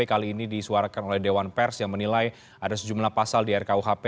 kali ini disuarakan oleh dewan pers yang menilai ada sejumlah pasal di rkuhp